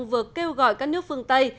vừa kêu gọi các nước phương tây